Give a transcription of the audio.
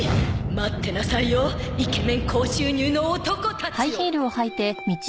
待ってなさいよイケメン高収入の男たちよ！